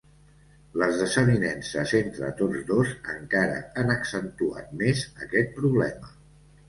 Les desavinences entre tots dos encara han accentuat més aquest problema.